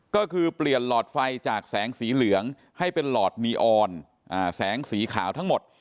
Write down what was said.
ก็คือเปลี่ยนหลอดไฟจากแสงสีเหลืองให้เป็นหลอดนีออนแสงสีขาวทั้งหมด